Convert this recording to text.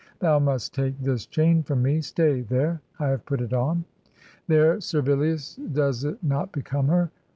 Thou must take this chain from me — ^stay — ^there, I have put it on. There, Servillius, does it not become her?'